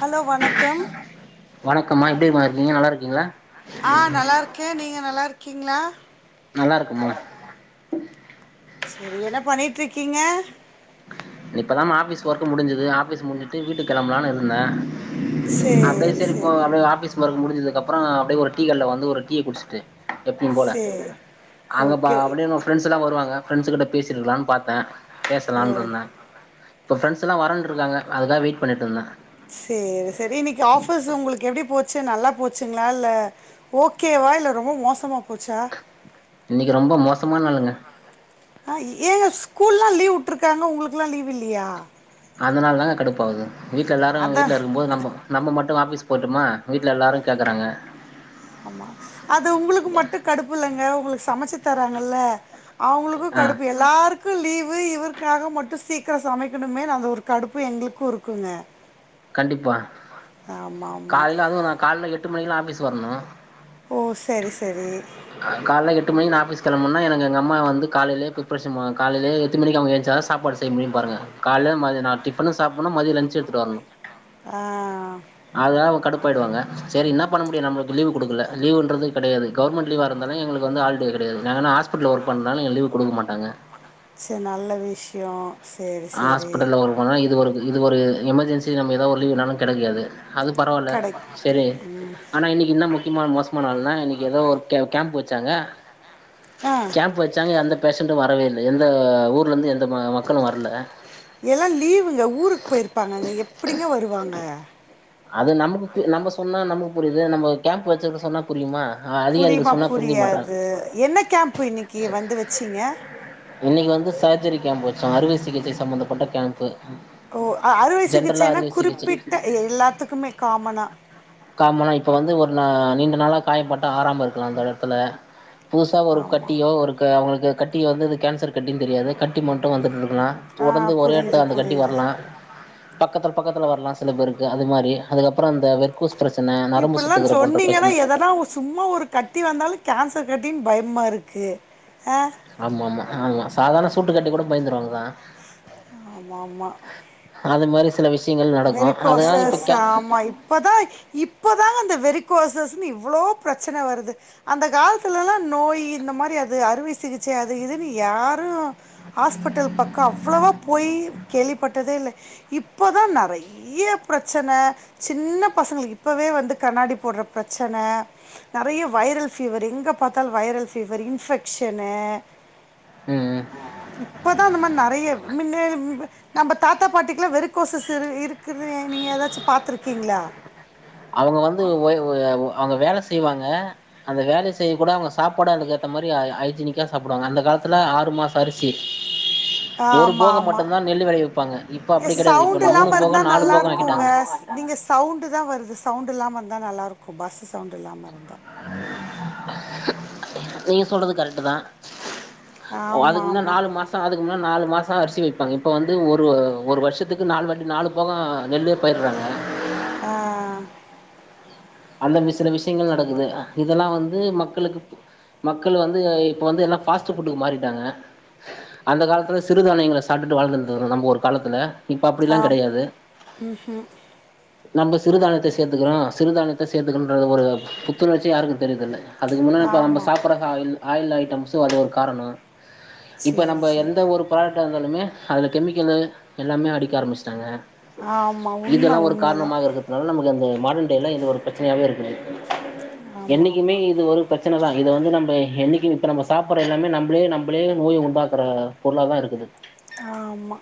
Hello வணக்கம் வணக்கம்மா எப்டிமா இருக்கீங்க நல்லா இருக்கீங்களா ஆ நல்லா இருக்கே நீங்க நல்லா இருக்கீங்களா நல்லா இருக்குமா செரி என்ன பண்ணிட்டுருக்கீங்க இப்பதா மா ஆபீஸ் ஒர்க்கு முடிஞ்சுது ஆபிஸ் முடிஞ்சுட்டு வீட்டுக்கு கெளம்பலானு இருந்தே அப்டே சேரி செரிங் போ சேரி அப்டியே ஆபீஸ் ஒர்க் முடிஞ்சது அப்பறோ அப்டியே ஒரு டீ கடைல வந்து ஒரு டீய குடிச்சிட்டு எப்பையு போல சேரி அங்க பா ஓகே அப்டியே நம்ம ஃப்ரெண்ட்ஸ் எல்லா வருவாங்க ஃப்ரெண்ட்ஸ் கிட்ட பேசி இருக்கலான்னு பாத்தே ஓ ட்றல்லானு ருந்தே இப்ப ஃபிரெண்ட்ஸ் எல்லா வரேன்ட்டு ருக்காங்க அதுக்காக வெயிட் பண்ணிட்டு ருந்தே செரி செரி இன்னைக்கு ஆபீஸ் உங்களுக்கு எப்டி போச்சு நல்லா போச்சுங்களா இல்ல ஓகேவா இல்ல ரொம்ப மோசமா போச்சா இன்னைக்கி ரொம்ப மோசமான நாளுங்க ஹ ஏங்க ஸ்கூல்லா லீவு வுட்ருக்காங்க உங்களுக்குல்லா லீவ் இல்லீயா அதுனால தாங்க கடுப்பு ஆவுது வீட்ல எல்லாரு வீட்ல அதா இருக்கு போது நம்மப் நம்ம மட்டு ஆபிஸ் போட்டுமா வீட்ல எல்லோரு கேட்குறாங்க அது உங்களுக்கு மட்டு கடுப்பு இல்லங்க உங்களுக்கு சமைச்சு தறாங்கல்ல அவுங்களுக்கு ஆ கடுப்பு எல்லாருக் கு லீவு இவருக்காக மட்டு சீக்கிர சமைக்கணுமே அந்த ஒரு கடுப்பு எங்களுக்கு இருக்குங்க கண்டிப்பா ஆமா ஆமா கால்ல அதுவு நா கால்ல எட்டு மணிக்கு ல்லா ஆபிஸ் வரணு ஓ செரி செரி கா கால்ல எட்டு மணிக்கு நா ஆபீஸ் கெளமுன்னாக்கு எங்க அம்மா வந்து காலேயே பிரிப்பரேஷன் மோ காலேயே எத்துனு மணிக்கு அவுங்க எந்திரிச்சாலு சாப்பாடு செ செய்ய முடியு பாருங்க கால்ல மதிய நா டிஃப்பனு சாப்பிணு மத்திய லஞ்ச் எடுத்துட்டு வரணு ஆ அதனால அவுங்க கடுப்பு ஆயிடுவாங்க செரி இன்னாப் பண்ண முடியு நம்ளுக்கு லீவு குடுக்கல லீவுன்றது கெடையாது கவர்மெண்ட்லீவா இருந்தாலு எங்களுக்கு வந்து ஹால் டே கெடையாது நாங்க என்ன ஹாஸ்பிட்டல ஒர்க பண்ணாலு எங்களுக்கு லீவு குடுக்க மாட்டாங்க செர் நல்ல விஷ்யோ நம்ம ஹாஸ்பிட்டல்ல ஒர்க் பண்ண இது ஒரு இது ஒரு எமர்ஜென்சி நம்ம ஏதாவது ஒரு லீவ் ணாலு கெடைக்காது அது பரவால்ல கடைக்கு செர்ரி ம் ஆனா இன்னைக்கி என்னா முக்கியமான மோசமான நாள்ன்னா இன்னைக்கி எதோ ஒரு கே கேம்ப் வச்சாங்க ஆ கேம்ப்பு வச்சாங்க எந்த பேஷண்டு வரவே இல்ல எந்த ஊர்லருந்து எந்த ம மக்களு வரல எல்லா லீவுங்க ஊருக்கு போயிருப்பாங்கங்க எப்டிங்க வருவாங்க அது நமக்குக்கு நம்ம சொன்னா நமக்கு புரியுது நம்ம கேம்ப் வச்சவர்க்கு சொன்னா புரியுமா ஆ புரியுமா புரியாது என்ன கேம்ப் இன்னக்கி வந்து வச்சீங்க இன்னக்கி வந்து சர்ஜரி கேம்ப் வச்சோ அறுவை சிகிச்சை சம்பந்தப்பட்ட கேம்ப்பு ஓ அறுவை ஜென்ரலா சிகிச்சைன்னா அறுவை சிகிச்சை குறிப்பிட்ட எல்லாத்துக்குமே காமனா காமனா இப்போ வந்து ஒரு நா நீண்ட நாளா காயப்பட்டா ஆராம இருக்குல்லா அந்த எடத்துல புதுசா ஒரு ஆமா கட்டியோ ஒரு க அவங்களுக்கு கட்டியோ வந்து இது கேன்சர் கட்டின்னு தெரியாது கட்டி மட்டு வந்து இருந்ததுனா ஆ தொடர்ந்து ஒரே புரியுது எடத்துல அந்த கட்டி புரியுது வர்லா பக்கத்து பக்கத்துல வரலா சில பேருக்கு அது மாரி அதுக்கப்பறொ அந்த கூஸ் பிரச்சன நரம்பு இப்படிலாம் சுத்துகிற போன்ற சொன்னீங்கன்னா பிரச்சன எதனா ஒரு- சும்மா ஒரு கட்டி வந்தாலு கேன்சர் கட்டின் பயம்மாருக்கு ஆமா மா ஆமா சாதாரண சூட்டுக்கட்டி கூட பயந்துருவாங்க தா ஆமா மா அது மாரி சில விஷயங்கள் நடக்கு அதெல்லா இப்ப வெறிக்கோசஷ் கே ஆமா இப் இப்பதா இப்பதாங்க இந்த வெறி கோசஸ்ன்னு இவ்ளோ பிரச்சன வருது அந்த காலத்துலெல்லா நோய் இந்த மாரி அது அறுவை சிகிச்சை அது இதுன்னு யாரு ஹாஸ்பிட்டல் பக்கொ அவ்வளவா போய் கேள்விப்பட்டதே இல்ல இப்பதா நறை ய்ய பிரச்சன சின்ன பசங்களுக்கு இப்பவே வந்து கண்ணாடி போட்ற பிரச்சன நெறைய வைரல் ஃபீவர் எங்க பாத்தாலு வைரல் ஃபீவர் இன்ஃபெக்க்ஷனு உம் உம் இப்ப தா அந்த மாரி நெறைய மின்னே நம்ம தாத்தா பாட்டிக்கெல்லா வெறிக் கோசஸ் இரு இருக்குனு நீங்க ஏதாச்சு பாத்துருக்கீங்ளா அவங்க வந்து ஓ அவங்க வேல செய்வாங்க அந்த வேல செய்ய கூட அவங்க சாப்பாட அதுகேத்த மாரி ஹைய்ஜீனிக்கா சாப்டுவாங்க அந்த காலத்துல ஆறு மாசரிசி [inaudible] ஒரு ஆமாம் போக ஆமாம் மட்டுந்தா நெல்லு வெளைவிப்பாங்க இப்ப ஏ அப்டி கெடையாது இப்ப சவுண்ட் மூணு போக நாலு போக ஆக்கிட்டாங்க நீங்க சவுண்டு தா வருது சவுண்டு இல்லாம ருந்தா நல்லா ருக்கு பஸ்ஸு சவுண்ட் இல்லாம இருந்தா நீங்க சொல்றது கரெட்டு தா ஓ அதுக்கு ஆமாம் முன்ன ஆமாம் நாலு மா சம் அதுக்கு முன்ன நாலு மாச அரிசி வெப்பாங்க இப்போ வந்து ஒரு ஒரு வருஷத்துக்கு நாலு வாட்டி நாலு போக நெல்லே பயிடுறாங்க ஆ அந்தமே சில விஷயங்கள் நடக்குது இதெல்லா வந்து மக்களுக்கு பு மக்கள் வந்து இப்போ வந்து எல்லா ஃபாஸ்ட் ஃபுட்டுக்கு மாறிட்டாங்க அந்த காலத்துல சிறுதானயங்கள சாப்டுட்டு வாழ்ந்துருந்த நம்ம ஒரு காலத்துல இப்ப அப்டிலா ஆம் கெடையாது நம்ப சிறுதானியத்த சேத்துக்குறோ சிறுதானியத்த சேத்துக்கனுன்ற ஒரு புத்துணர்ச்சி யாருக்கு தெரியதில்ல அதுக்கு முன்னா இப்ப நம்ம ஆமாம் சாப்புற ஆயில் ஆயில் ஐட்டம்ஸு அது ஒரு காரணொ இப்ப சரி நம்ப சரி எந்த ஒரு புராடக்டா இருந்தாலுமே அதுல கெமிக்கல்லு எல்லாமே அடிக்க ஆரம்புச்சுட்டாங்க ஆமாம் உண்மை இதெல்லா ஒரு உண்மை தான் காரணமாக இருக்கு அதனால நமக்கு அந்த மாடன் டேயில இது ஒரு பிரச்சனையாகவே இருக்குது ஆமாம் என்னக்கிமே ஆமாம் இது ஒருப் பிரச்சன தா இத வந்து நம்ப என்னைக்கு இப்ப நம்ம சாப்புற எல்லாமே நம்பளே நம்பளே நோய உண்டாக்குற பொருளாதா இருக்குது ஆமா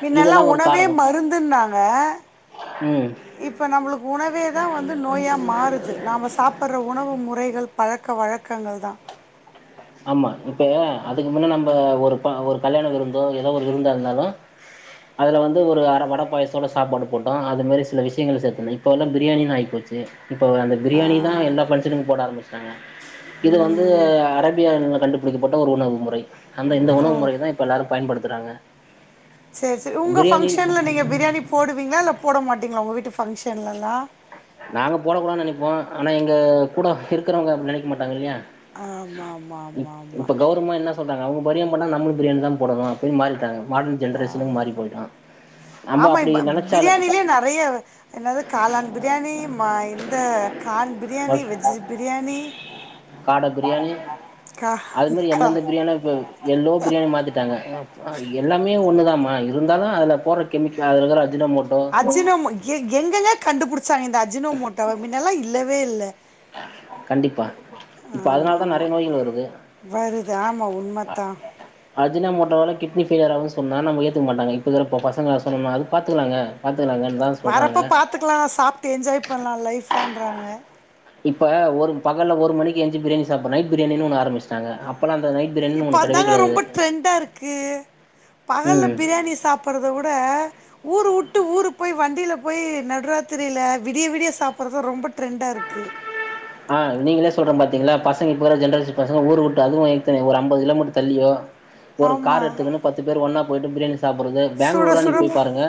மின்னெல்லா இதெல்லா ஒரு உணவே காரணோ மருந்துன்னாங்க ம் இப்ப நம்மளுக்கு உணவே தா வந்து நோயா மாறுது நாம சாப் புட்ற உணவு முறைகள் பழக்க வழக்கங்கள் தா ஆமா இப்ப அதுக்கு முன்னே நம்ம ஒரு ஒரு கல்யாண விருந்தோ ஏதோ ஒரு விருந்தா இருந்தாலு அதுல வந்து ஒரு அர வடை பாயசத்தோட சாப்பாடு போட்டோ அதுமாரி சில விஷயங்கள் சேத்துனோ இப்ப ல்லா பிரியாணின்னு ஆயிபோச்சு து இப்போ அந்த ஆ, பிரியாணிதா எல்லா ஃபங்ஷனுக்கு போட ஆரம்பிஸ்ட்டாங்க இது வந்து ம், அர பியானுங்க கண்டுபிடிக்கப்பட்ட ஒரு உணவு முறை அந்த இந்த ஓ உணவு முறயதா இப்ப எல்லாரு பயன்படுத்துறாங்க சேர் சேர் உங்க பிரியாணி ஃபங்ஷன்ல நீங்க பிரியாணி போடுவீங்ளா இல்ல போட மாட்டீங்ளா உங்க வீட்டு ஃபங்ஷன்லலா நாங்க போடக்கூடான் நெனைப்போ ஆனா எங்க கூட இருக்கிறவங்க அப்டி நெனைக்க மாட்டாங்கில்லையா ஆமா ஆமா ஆமா ஆமா இப்பமு என்ன சொல்றங்க அவுங்க பரியம் பண்ணா நம்மளும் பிரியாணிதா போடணு அப்டின் மாறிட்டாங்க மாட் ஆ நம்ம ஆமா அப்டி இப்ப நெனைச்சாலு பிரியாணிலே நெறைய என்னது காளான் பிரியாணி ம இந்த கான் பிரியாணி வெஜ் பிரியாணி காட பிரியாணி கா அது மாரி கா எந்தெந்த பிரியாணோ இப்ப எல்லோ பிரியாணி மாத்திட்டாங்க எல்லாமே ஒண்ணுதாமா இருந்தாலு அதுல போட்ற கெமிக்க அதுலகிற அஜினமோட்டோ அஜினோம் ஏ எங்கெங்க கண்டுபுடிச்சாங்க இந்த அஜினோமோட்டவ மின்னெல்லா இல்லவே இல்ல கண்டிப்பா இப்ப ஆமா அதனால தா ஆமா நெறைய நோய்கள் வருது வருது ஆமா உண்மத்தா அஜினா மோட்டவால கிட்னி ஃபெய்லியர் ஆவு சொன்னா நம்ப ஏத்துக்க மாட்டாங்க இப்பக்கிற ப பசங்களான் சொன்னா அது பாத்துக்கலாங்க பாத்துக்கலாங்கன்தா வரப்பா பார்த்துக்லா சாப்ட்டு என்ஜாய் பண்லா லைஃபன்றாங்க இப்ப ஒரு பகல்ல ஒரு மணக்கி எந்ச்சு பிரியாணி சாப்பற் நைட் பிரியாணின்னு ஒன்னு ஆரம்பிச்சிட்டாங்க அப்பல்லா அந்த நை இப்போ தாங்க ரொம்ப ட்ரெண்டா இருக்கு பகல்ல ம் பிரியாணி சாப்பிட்றத விட ஊரு உட்டு ஊரு போயி வண்டில போய் நடுராத்திரில விடிய விடிய சாப்பற்தா ரொம்ப ட்ரெண்டா இருக்கு ஆ நீங்களே சொல்ற பாத்தீங்களா பசங்க இப்பகிற ஜென்ரேஷன் பசங்க ஊரு வுட்டு அதுவு எத்தனே ஒரு அம்பது கிலோமீட்ரு தள்ளியோ ஒரு ஆமா கார் எட்த்துக்குனு பத்து பேரு ஒன்னா போய்ட்டு பிரியாணி சாப்பிறது சுட பேங்களூர்லா சுட நீங் போய பாருங்க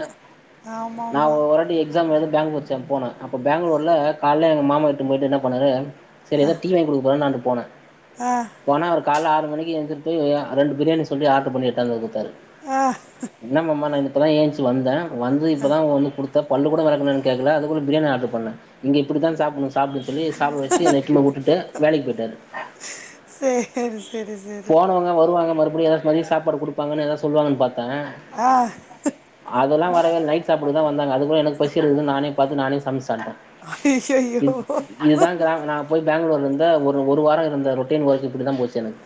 ஆமா நா ஆமா ஒரு வட்டி எ க்ஸாம் எழுத பேங்ளூர் [unintelligible] போனே அப்போ பேங்களூர்ல கால்ல எங்க மாமா இட்டுன் போயிட்டு இன்ன பண்ணாரு செரி எதோ டீ வாய்ங் குடுக்க போறார் நா அங்க போன ஆ போனா அவுர் கால்ல ஆறு மணிக்கு எழுந்துட் போய் அ ரெண்டு பிரியாணி சொல்லி ஆட்ரு பண்ணி எட்தாந்து குத்தாரு என்ன மாமா நா இப்பதா ஏந்ச்சு வந்தே வந்து இப்பதா வந்து குடு த்து பல்லு கூட வெலக்கனானுன் கேக்கல அதுகுள்ள பிரியாணி ஆட்ரு பண்ண இங்க இப்படித்தா சாப்புணு சாப்டு சொல்லி சாப்பிட வெஸ்ட்டு என்ன இட்டுன் போய் உட்டுட்டு வேலைக் போய்ட்டாரு சேரி செரி செ போனவங்க வருவாங்க மறுபடியு எதாத் மதிய சாப்பாடு குடுப்பாங்கன் எதாவ் சொல்லுவாங்கன்னு பாத்தே ஆ அதெல்லா வரவேல் நைட் டு சாப்பிடதா வந்தாங்க அதுகுள்ள எனக்கு பசி எடுக்குதுனு நானே பாத்து நானே சமஸ் சாப்ட்டே இது அய்யய்யோ இதுதா கிராம நா போய் பேங்களூர்லிந்த ஒரு ஒரு வாரோ இருந்த ரொட்டீன் ஒர்க் இப்படித்தா போச்ச எனக்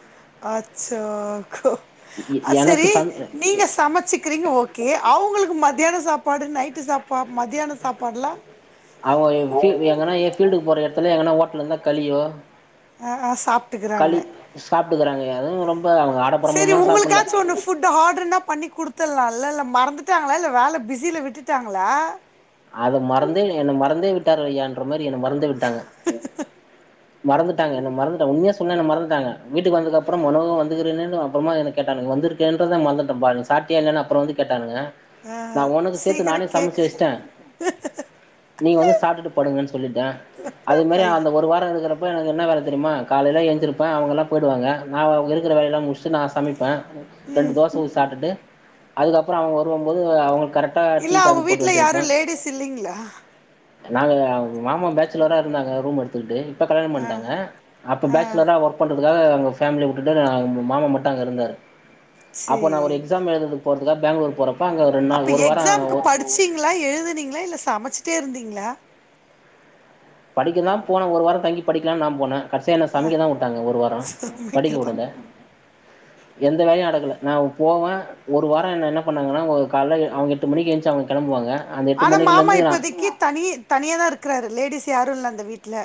அச்சோ எ அ எனக்கு செரி சம் நீங்க சமச்சுக்கிறீங்க ஓ கே அவுங்களுக்கு மதியான சாப்பாடு நைட்டு சாப்பா மதியான சாப்பாட்லா அவுங்க எ ஃபீ எங்கனா எ ஃபீல்டுக்கு போற எட்த்துல எங்கனா ஓட்லிந்தா களியோ அ ஆ சாப்ட்டுக்கிறாங்க. களி சாப்ட்டுக்கிறாங்க அதுவு ரொம்ப அவுங்க ஆடம்பரமுமா சாப்பில்ல ஃபுட்டு் ஆர்ட்ருனா பண்ணி குடுத்துல்லால இல்ல மறந்துட்டாங்களா இல்ல வேல பிஸில விட்டுட்டாங்களா அது மறந்தே என்ன மறந்தே விட்டார் ஐயான் ற மாரி என மறந்தே விட்டாங்க மறந்துட்டாங்க என்ன மறந்துட்ட உண்மயா சொன்னா என்ன மறந்துட்டாங்க வீட்டுக் வந்தக்கப்புறோ மனோ வந்துக்கிறனே நா அப்புறமா என்ன கேட்டங்க வந்துருக்கன்றத மறந்துட்டம்பா அப்டின் சாப்டியா இல்லயான் அப்புறோ வந்து கேட்டானுங்க ஆ நா உனக்கு சேத்து சீக்கிர நானே சமைச்சு கேக்கு வச்சுட்டே நீங்க வந்து சாப்ட்டுட்டு படுங்கன் சொல்லிட்டே அது மேரி ஐ அந்த ஒரு வாரோ இருகறப் இப்போ எனக்கு என்ன வேல தெரியுமா காலைல எஞ்சிருப்பே அவங்களாப் போயி்டுவாங்க நா அவக இருகற வேலையெலா முச்டு நா சமைப்பே ரெண்டு ம். தோச ஊத் சாப்ட்டுட்டு அதுக்கப்பறோ அவுங்க வருவம்போது அவங்க கரெக்ட் டா டீ காஃபி போட்டு வெச்சிருப்பே [unintelligible] இல்லிங்ளா நாங்க மாம பேச்சுலரா இருந்தாங்க ரூம் எடுத் துடு இப்ப கல்யாணம் பண்ட்டாங்க அப்ப ஆ பேச்சலரா ஒர்க் பண்றதுக்காக அங்க ஃபேமிலி வுட்டுட்டாரு நா மாமா மட்டு அங்க இருந்தாரு அப்போ சரி. நா ஒரு எக்ஸாம் எழுதற்துக் போறதுக்காகப் பெங்களூர் போறப் அப்ப எக்ஸாம்க்கு படிச்சிங்ளா எழுதுனீங்ளா இல்ல சமச்சிட்டே இருந்தீங்ளா படிக்கதாம் போனே ஒரு வாரந் தங்கி படிக்கலான் நாம் போனே கடசியா என்ன சமைக்கதா வுட்டாங்க ஒரு வாரோ படிக்க சமைக்க தான் வுடல எந்த வேலையு அடக்கல நாவுப் போவே ஒரு வாரோ என்ன என்னப் பண்ணாங்கனா ஒ கால்ல எ அவுங்க எட்டு மணிகி எந்ச்சு அவுங்க கெளம்புவாங்க அந்த எட்டு ஆனா மணிக்குல மாமா இருந்து நா இப்பதைக்கி தனி தனியாதா இருக்றாரு லேடிஸ் யாரு இல்ல அந்த வீட்ல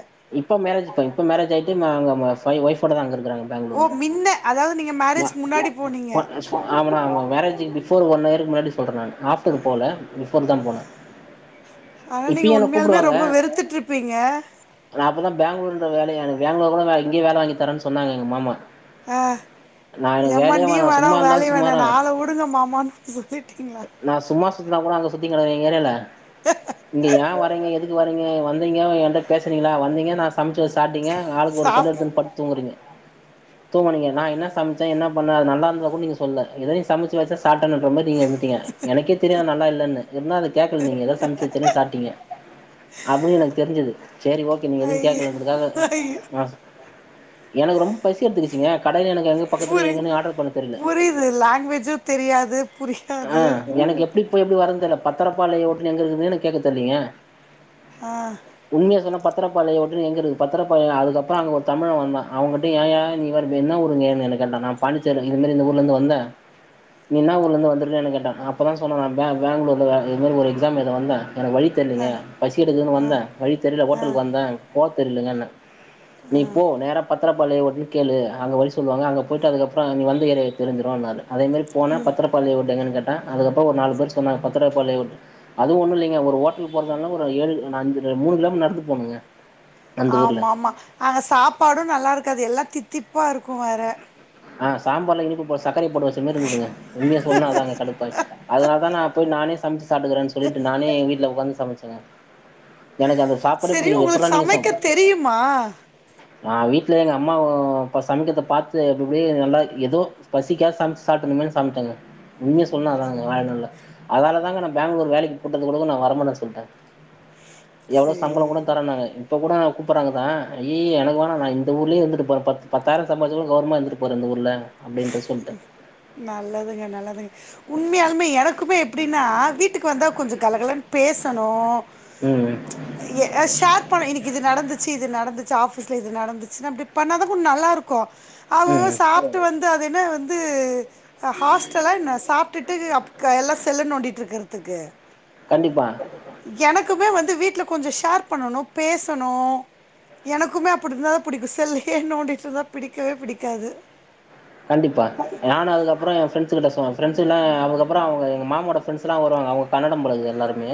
இப்போ மேரேஜ் இப்ப இப்போ மேரேஜ் ஆயிட்டு மா அங்க மா பா ஒய்ஃபோடதா அங்க இருகறாங்க ஓ மின்ன அதாவ்து நீங்க மேரேஜ்கு முன்னாடி போனீங்க ஆமா நா மேரேஜுக்கு பிஃபோர் ஒன்னியருக்கு முன்னாடி சொல்ற நானு ஆஃப்டரு போல பிஃபோர்தாம் போனே ஆனா நீங்க இப்பயு என்ன உண்மையால்மே கூப்டுவாங்க ரொம்ப வெறுத்துட்ருப்பீங்க நா அப்போதா பெங்களூருன்ற வேலைய எனக் பெங்களூரு கூட வேலைக் இங்கியே வேல வாங்கித்தரேன் சொன்னாங்க எங்க மாமா அ நா எனக்கு எம்மா வேலையே நீயு வேணா சும்மா உ இருந்தாலு வேலையு வேணா சும்மாதா என்ன ஆள வுடுங்க மாமான் சொல்லிட்டீங்ளா நா சும்மா சுத்தினா கூட அங்க சுத்தின்கடகறே எங்க ஏரியால இங்க ஏ வரீங்க எதுக்கு வரீங்க வந்தீங்க என்ட பேசுனிங்களா வந்தீங்க நா சம்ச்சு வெச் சாட்டிங்க ஆளுக்கு ஒரு செல் சாப் எடுத்துன் பத் தூங்குறீங்க தூங்கனீங்க நா என்னச் சம்ச்சே என்னாப் பண்ண அது நல்லாந்ததா கூட நீங்க சொல்ல எதோ நீ சமச்சு வெச்சாச் [unintelligible] நீங்க இருந்துட்டிங்க எனக்கே தெரியு அது நல்லா இல்லன்னு இருந்தா அத கேக்கல் நீங்க எதாது சம்ச்சு வெச்சற சாப்ட்டீங்க அப்டி எனக்கு தெரிஞ்சது சேரி ஓகே நீங்க எதுவு ஐயோ கேக்கலன்றதுக்காக ஐயோ ஆச் எனக்கு ரொம்ப பசி எட்த்துக்குச்சிங்க கடைல எனக்கு எங்கப் புரி புரியுது லாங்குவேஜு தெரியாது புரியாது இப்ப எப்டி வறதுன் தெர்ல பத்தரப்பாளையோ ஓட்லு எங்க இருக்குதுனு கேக்கத் தெர்லீங்க ஆ உண்மைய சொன்ன பத்தரப்பாளையோ ஓட்லு எங்க இருக்கு பத்தரப்பாளையோ அதுக்கப்பறோ அங்க ஒரு தமிழ வந்தா அவங்கிட் டு ஏ ஏ நீ வேற இப்பு என்ன ஊருங்கேனு என்ன கேட்டா நா பாண்டிச்சேரி இது மேரி இந்த ஊர்லந்து வந்தே நீ இன்னா ஊர்லந்து வந்துருகேனு கேட்டா அப்பதா சொன்னே நா பெங் பெங்களூர்ல வே இதுமாரி ஒரு எக்ஸாம் எழுத வந்தே எனக்கு வழித் தெர்லிங்க பசி எடுக்குதுனு வந்தே வழித் தெரில ஒட்டலுக்கு வந்தே போத் தெரிலங்கன்னே நீப் போ நேரப் பத்தரப்பாளையோ ஓட்னு கேளு அங்க வழி சொல்லுவாங்க அங்கப் போய்ட்டு அதுக்கப்றோ நீ வந்து எரு தெரிஞ்சிருன்னாரு அதே மாரி போனே பத்தரப் பாளை ஓட் எங்கனு கேட்டே அதுகப்போ ஒரு நாலு பேர் சொன்னாங்க பத்தரபாளையோ ஓட் அதுவு ஒன்னுல்லைங்க ஒரு ஓட்டல் போறதான்ல ஒரு ஏழு ந அஞ்சு ர மூனு கிலோமீ நடந்து போனுங்க ஆமா மா அங்க சாப்பாடு நல்லாருக்காது எல்லா தித்திப்பா இருக்கு வேற ஆ சாம்பார்லா இனிப்பு போ சக்கரையப் போட்டு வெச்ச மேர்ருந்துதுங்க உண்மைய சொல்னா அதாங்க கடுப்பாய் அதனால்தா நாப் போய் நானே சம்ச்சு சாப்டுகுறேன் சொல்லிட்டு நானே எங் வீட்ல உக்காந்து சமச்சேங்க எனக்கு அந்த சாப்பாடே சரி புடிக்கது உங்களுக்கு எப்பர்றா நீங்க சாப் சமைக்க தெரியுமா நா வீட்ல எங்க அம்மாவுப சமைக்கதப் பாத்து [unintelligible] நல்லா எதோ பசிக்காக சம்ச்சு சாப்டுந்தமேன் சம்ச்சங்க நீங்க சொன்னாதாங்க வேற ஒன்னு இல்ல அதனால தாங்க நா பெங்களூர் வேலைக்கு போட்டது கூடக்கு நா வர முல்லன் சொன்ன எவ்ளோ சம்பளோ சேரி கூட தரன்னாங்க இப்ப கூடா அங் கூப்பட்றாங்கதா அய்யய்ய எனக்கு வேணா நா இந்த ஊர்லயே இருந்துட்டு போற பத் பத்தாய்ரோ சம்பாரிச்சா கூட கவுரவமா இருந்துட்டு போற இந்து ஊர்ல அப்டின்ற நல்லதுங்க நல்லதுங்க உண்மையாலுமே எனக்குமே எப்டின்னா வீட்டுக்கு வந்தா கொஞ்சோ கலகலன் பேசணு ம் அ ஷேர் பண்ணு இன்னிக்கு இது நடந்துச்சு இது நடந்துச்சு ஆஃபீஸ்ல இது நடந்துச்சு அப்டி பண்ணாதா கொஞ் நல்லாருக்கு அவ ம் அவ ம் சாப்ட்டு வந்து அது என்ன வந்து அ ஹாஸ் டல்லா என்ன சாப்ட்டுட்டு அப் எல்லா செல்ல நோண்டிட்ருக்கறதுக்கு கண்டிப்பா எனக்குமே வந்து வீட்ல கொஞ்சோ ஷேர் பண்ணணு பேசணு எனக்குமே அப்டி இருந்தாதா புடிக்கு செல்லயே நோண்டிட்ருந்தா பிடிக்கவே பிடிக்காது கண்டிப்பா நானு அதுக்கப்புறோ எ ஃப்ரெண்ஸுகிட்ட சொன்ன ஃப்ரெண்ஸ் எல்லா அதுக்கப்புறோ அவுங்க எங்க மாமாவோட ஃப்ரெண்ஸலா வருவாங்க அவுங்க கன்னடோ போல இக்குது எல்லாருமே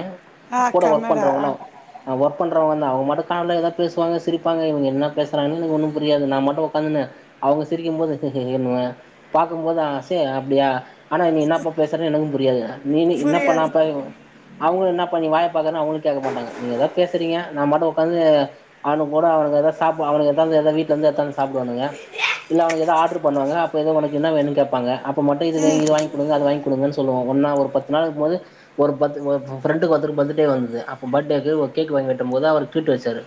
ஆ கூட ஒர்க் கன்னடா. ஆ பண்றோங்களா ஒர்க் பண்றோங்கதா அவுங்க மாட்டுக்கு கால்ல எதா பேசுவாங்க சிரிப்பாங்க இவுங்க என்ன பேசுறாங்கன்னு எனக்கு ஒன்னு புரியாது நா மாட்டுக் உக்காந்துன்னு அவுங்க சிரிக்கும்போது ஹ ஹ ஹ ஹனுவே பாக்கும்போது ஆ சே அப்டியா ஆனா நீ என்னா இப்ப பேசுறனே எனக்கு புரியாது நீங்க என்ன புரியாது. பண்ணாப்ப அவுங்களு என்ன பண்ணி வாய் பாக்குறனு அவுங்களு கேக்க மாட்டங்க நீங்க எதோ பேசறீங்க நா மாட்டுக் உக் காந்து அவனுக்கூட அவனுக்கு எதோ சாப்பா அவனுக்கு எதாது எதா வீட்ல இருந்து எத்து வந்து சாப்டுவானுங்க இல்ல உனக்கு எதா ஆடர் பண்ணுவாங்க எனா அப்ப எதோ உனக்கு என்ன வேணு கேப்பாங்க அப்ப மட்டு இது வே ம். இது வாய்ங் குடு ங்க அது வாய்ங் குடுங்கன் சொல்லுவோ ஒன்னா ஒரு பத்து நாள் இருக்கும்போது ஒரு பர்த் ஃப்ரெண்டுக்கு ஒருத்தக்கு பர்த்டே வந்தது அப்ப பர்த்டேக்கு ஒரு கேக்கு வாங்கி வெட்டம்போது அவரு ட்ரீட்டு வெச்சாரு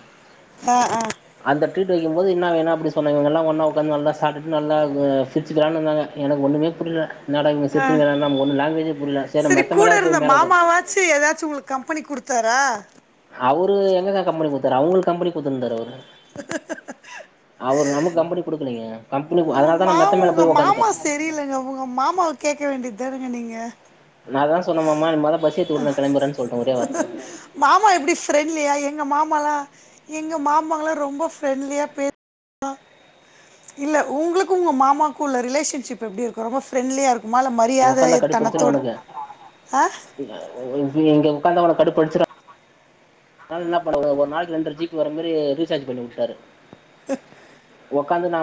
ஆ ஆ அந்த ட்ரீட்டு வெக்கிம்போது என்ன வேணா அப்டி சொன்னாங்கல்லா ஒன்னா ஒக்காந்து நல்லா சாப்ட்டுட்டு நல்லா ஆ சிரிச்சிகினே இருந்தாங்க எனக்கு ஒன்னுமே புரில என்னடா இவுங்க சிரிச்சிக்கினுருக்காங்க நமக்கு ஒன்னு லங்குவேஜே புரில செரி நம்ம மெத்த மேலாவ்து போய் மேல ஒக்கா சே எதாச்சு உங்களுக் கம்பெனி குடுத்தாரா அவரு எங்ககா கம்பெனி குடுத்தாரு அவுங்களுக்கு கம்பெனி குடுத்துருந்தாரு அவரு அவரு நமக்கு கம்பெனி குடுக்கலைங்க கம்பெனி அதனால தா ஆமா நா மெத்த மேல உங்க போய் உக்காந்துட்டே மாமா சே லங்க உங்க மாமாவ கேக்க வேண்டித்தானங்க நீங்க நா தா சொன்ன மாமா நம்ளால பசி மாமா எப்டி ஃப்ரெண்ட்லியா எங்க மாமால்லா எங்க மாமாங்கல்லா ரொம்ப ஃப்ரெண்ட்லியா பே இல்ல உங்களுக்கு உங்க மாமாக்கு உள்ள ரிலேஷன்ஷிப் எப்டிருக்கு ரொம்ப ஃப்ரெண்லியா இருக் குமா இல்ல இங்க உக்காந்தா கடுப்படிச்சிரு மரியாதைத்தனத்தோடு அவனுக்கு ஆ இங்க ஒக்காந்தா ஒனக்கு கடுப்படிச்சிரு ஒரு நாள் என்ன பண்ண ஒரு நாளைக்கு ரெண்ர ஜி பி வர மாரி ரீசார்ஜ் பண்ணிவுட்டாரு ஒக்காந்து நா